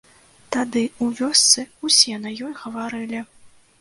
Тады ў вёсцы ўсе на ёй гаварылі.